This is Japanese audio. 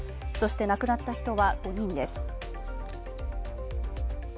そして、亡くなった人は５人です。